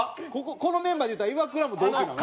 このメンバーでいうたらイワクラも同期なの？